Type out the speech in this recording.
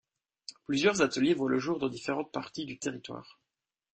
Plusieurs ateliers voient le jour dans différentes parties du territoire.